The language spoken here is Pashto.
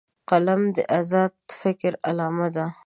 قلم د آزاد فکر علامه ده